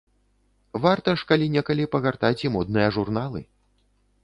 Варта ж калі-некалі пагартаць і модныя журналы.